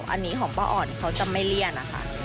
อันนี้ของป้าอ่อนเขาจะไม่เลี่ยนนะคะ